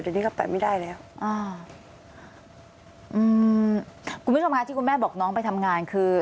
เดี๋ยวนี้ก็ไปไม่ได้แล้วอ่าอืมคุณผู้ชมค่ะที่คุณแม่บอกน้องไปทำงานคือ